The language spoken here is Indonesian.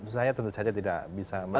saya tentu saja tidak bisa